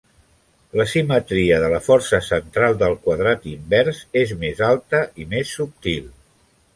La simetria de la força central del quadrat invers és més alta i més subtil.